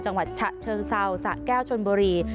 จังหวัดฉะเชิงเซาสะแก้วชนบุรี